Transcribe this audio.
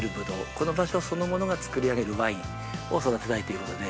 この場所そのものがつくり上げるワインを育てたいということで。